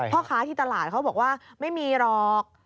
พ่อค้าที่ตลาดเขาบอกว่าไม่มีหรอก